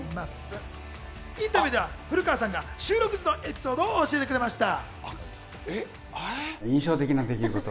インタビューでは古川さんが収録時のエピソードを教えてくれました。